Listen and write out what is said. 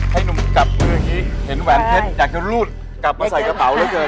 ให้หนุ่มกลับมืออย่างนี้เห็นแหวนเพชรอยากจะรูดกลับมาใส่กระเป๋าเหลือเกิน